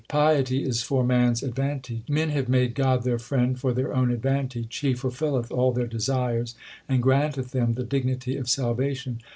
Piety is for man s advantage : Men have made God their friend for their own advantage ; He fulfilleth all their desires and granteth them the dignity of salvation.